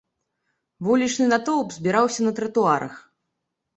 Вулічны натоўп збіраўся на тратуарах.